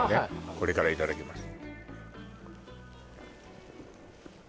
これからいただきます